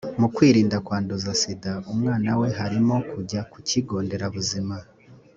mu kwirinda kwanduza sida umwana we harimo kujya ku kigo nderabuzima